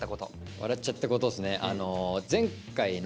笑っちゃったことですね。